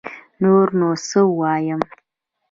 نور نو سه ووايم